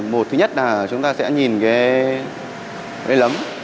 một thứ nhất là chúng ta sẽ nhìn cái lấm